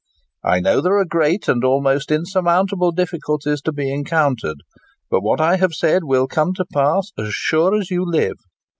I know there are great and almost insurmountable difficulties to be encountered; but what I have said will come to pass as sure as you live.